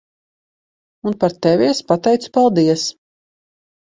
Un par tevi es pateicu paldies.